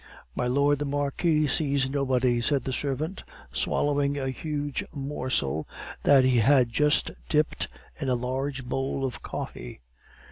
"My Lord the Marquis sees nobody," said the servant, swallowing a huge morsel that he had just dipped in a large bowl of coffee.